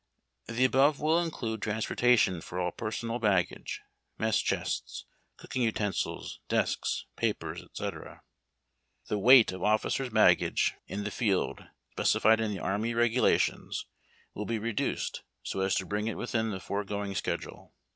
The above will include transportation for all personal baggage, mess chests, cooking utensils, desks, papers, &c. The weight of officers' baggage in the field, specified in the Army Regulations, will be reduced so as to bring it within the foregoing schedule.